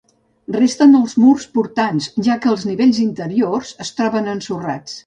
Resten els murs portants, ja que els nivells interiors es troben ensorrats.